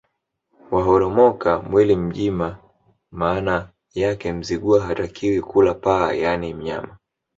Waholomoka mwili mjima Maana yake Mzigua hatakiwi kula paa yaani mnyama